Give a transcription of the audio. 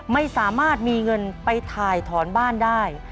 ไม่สามารถมีเงินไปถ่ายถอนบ้านได้